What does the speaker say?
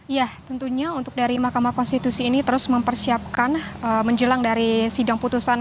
ya tentunya untuk dari mahkamah konstitusi ini terus mempersiapkan menjelang dari sidang putusan